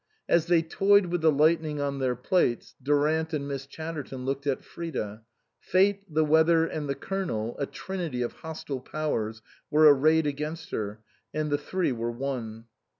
As they toyed with the lightning on their plates Durant and Miss Chatterton looked at Frida. Fate, the weather, and the Colonel, a trinity of hostile powers, were arrayed against her, and the three were one.